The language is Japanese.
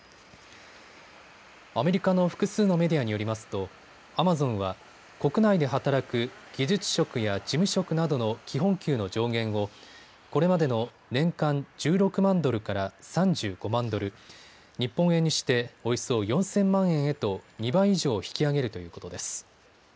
アメリカの複数のメディアによりますとアマゾンは国内で働く技術職や事務職などの基本給の上限をこれまでの年間１６万ドルから３５万ドル、日本円にしておよそ４０００万円へと２倍以上引き上げるということです。